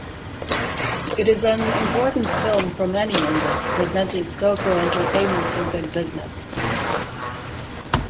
It is an important film from any angle, presenting socko entertainment for big business.